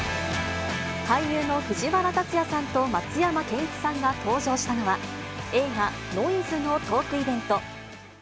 俳優の藤原竜也さんと松山ケンイチさんが登場したのは、映画、ノイズのトークイベント。